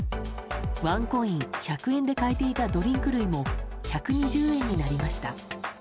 ワンコイン１００円で買えていたドリンク類も１２０円になりました。